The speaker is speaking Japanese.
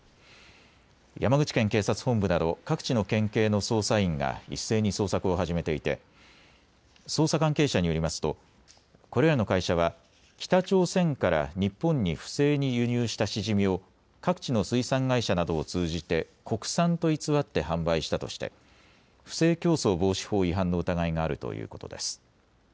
山口県警察本部など各地の県警の捜査員が一斉に捜索を始めていて捜査関係者によりますとこれらの会社は北朝鮮から日本に不正に輸入したシジミを各地の水産会社などを通じて国産と偽って販売したとして不正競争防止法違反の疑いがあるということです。